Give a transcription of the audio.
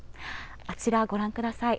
あちら、ご覧ください。